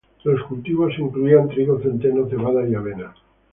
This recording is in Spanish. Los cultivos incluían trigo, centeno, cebada y avena.